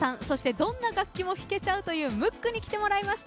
どんな楽器も弾けちゃうというムックに来てもらいました。